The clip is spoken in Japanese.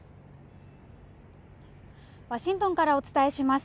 ワシントンからお伝えします。